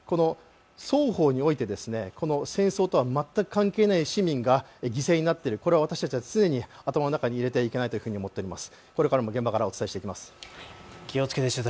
双方において、戦争とは全く関係ない市民が犠牲になっている、これは私たちは常に頭の中に入れておかないといけないと思います。